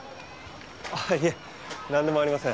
あいえなんでもありません。